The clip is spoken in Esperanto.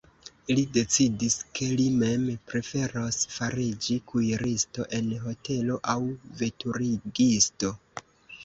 Li decidis, ke li mem preferos fariĝi kuiristo en hotelo aŭ veturigisto.